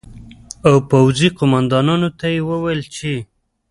او پوځي قومندانانو ته یې وویل چې